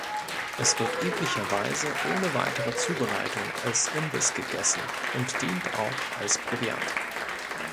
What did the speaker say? Es wird üblicherweise ohne weitere Zubereitung als Imbiss gegessen und dient auch als Proviant.